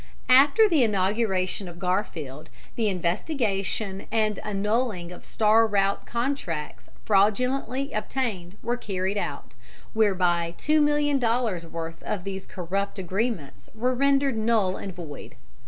After the inauguration of Garfield the investigation and annulling of star route contracts fraudulently obtained were carried out, whereby two million dollars' worth of these corrupt agreements were rendered null and void.